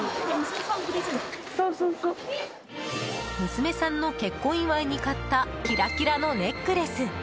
娘さんの結婚祝いに買ったキラキラのネックレス。